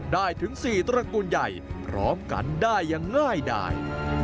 ได้ถึง๔ตระกูลใหญ่พร้อมกันได้อย่างง่ายดาย